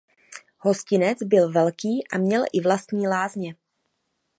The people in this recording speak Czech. Hostinec byl velký a měl i vlastní lázně.